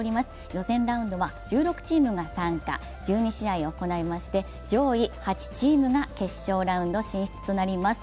予選ラウンドは１６チームが参加、１２試合行いまして上位８チームが決勝ラウンド進出となります。